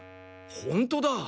ほんとだ。